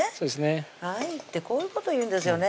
愛ってこういうこというんですよね